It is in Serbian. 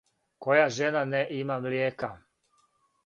Која жена не има млијека.